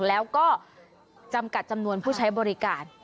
แล้วก็จำกัดจำนวนผู้ใช้บริการ